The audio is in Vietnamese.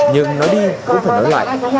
nhưng nói đi cũng phải nói lại